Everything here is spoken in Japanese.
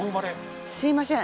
すいません。